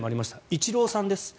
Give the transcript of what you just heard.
イチローさんです。